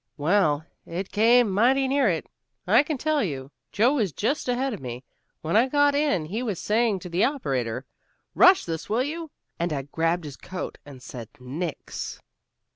"Well, it came mighty near it, I can tell you. Joe was just ahead of me. When I got in he was saying to the operator, 'Rush this, will you?' and I grabbed his coat and said nix."